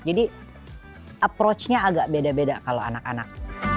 jadi approach nya agak beda beda kalau anak anak